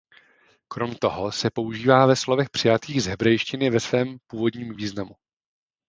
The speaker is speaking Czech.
Krom toho se používá ve slovech přejatých z hebrejštiny ve svém původním významu.